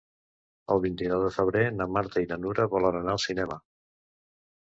El vint-i-nou de febrer na Marta i na Nura volen anar al cinema.